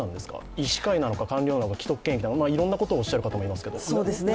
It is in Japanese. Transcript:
医師会なのか官僚なのか既得権益なのか、いろんなことをおっしゃる方がいますけど。